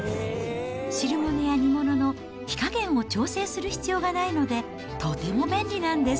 汁ものや煮物の火加減を調整する必要がないので、とても便利なんです。